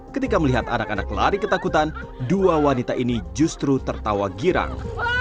ketika melihat anak anak lari ketakutan dua wanita ini justru tertawa girang